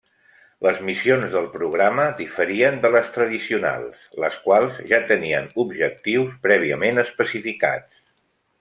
Les missions del programa diferien de les tradicionals, les quals ja tenien objectius prèviament especificats.